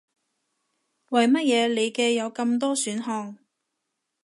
為乜嘢你嘅有咁多選項